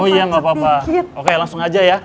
oh iya nggak apa apa oke langsung aja ya